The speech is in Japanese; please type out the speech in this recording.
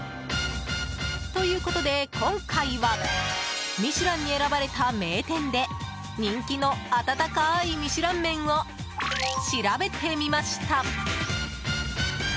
ということで、今回は「ミシュラン」に選ばれた名店で人気の温かいミシュラン麺を調べてみました。